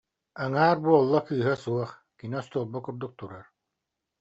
Аҥаар буолла, кыыһа суох, кини остуолба курдук турар